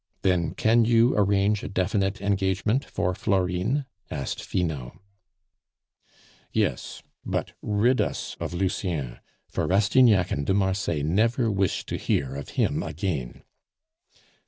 Then can you arrange a definite engagement for Florine?" asked Finot. "Yes, but rid us of Lucien, for Rastignac and de Marsay never wish to hear of him again."